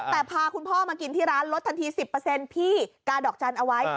แต่พาคุณพ่อมากินที่ร้านลดทันที๑๐พี่กาดอกจันทร์เอาไว้